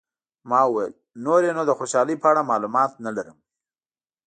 ما وویل، نور یې نو د خوشحالۍ په اړه معلومات نه لرم.